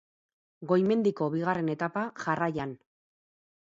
Goi-mendiko bigarren etapa jarraian.